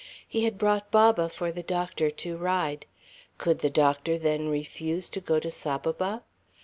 He had brought Baba for the doctor to ride. Could the doctor then refuse to go to Saboba?